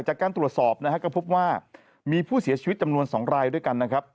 จากการตรวจสอบนะฮะก็พบว่ามีผู้เสียชีวิตจำนวน๒รายด้วยกันนะครับ